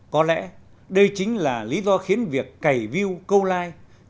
có lẽ đây chính là lý do khiến việc cày view câu like